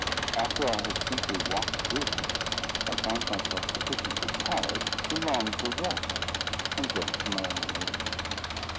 After I had simply walked through them, I found myself sufficiently tired to long for rest, and went to my own room.